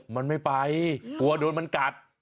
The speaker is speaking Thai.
มันไม่ไปกลัวโดนมันกัด